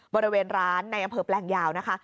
บริเวณร้านในอำเภอแปลงยาวนะคะ